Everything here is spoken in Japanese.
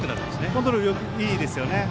コントロールいいですよね。